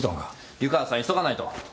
湯川さん急がないと。